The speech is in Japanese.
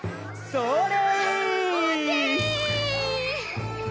それ！